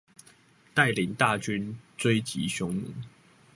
帶領大軍追擊匈奴